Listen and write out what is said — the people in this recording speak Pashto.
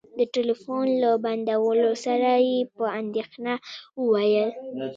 د ټلفون له بندولو سره يې په اندېښنه وويل.